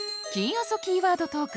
あそキーワードトーク